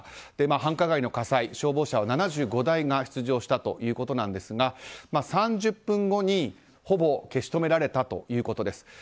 繁華街の火災、消防車は７５台が出動したということですが３０分後にほぼ消し止められたということです。